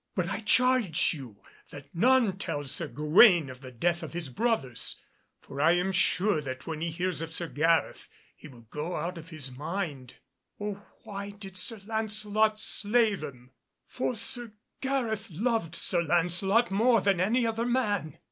But I charge you that none tell Sir Gawaine of the death of his brothers, for I am sure that when he hears of Sir Gareth he will go out of his mind. Oh, why did Sir Lancelot slay them? for Sir Gareth loved Sir Lancelot more than any other man."